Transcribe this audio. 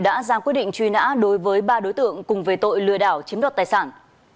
đã ra quyết định truy nã đối với ba đối tượng cùng về tội lừa đảo chiếm đoạt tài sản